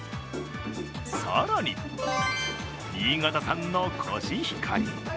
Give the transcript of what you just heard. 更に新潟産のコシヒカリ。